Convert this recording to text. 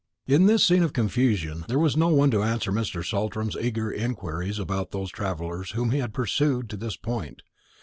In this scene of confusion there was no one to answer Mr. Saltram's eager inquires about those travellers whom he had pursued to this point.